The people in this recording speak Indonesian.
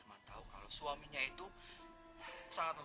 emang suami kamu dokter